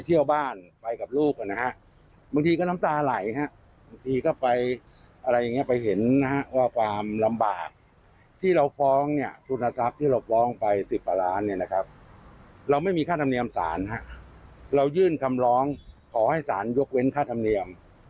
เราไม่มีค่าธรรมเนียมศาลเรายื่นคำร้องขอให้ศาลยกเว้นค่าธรรมเนียม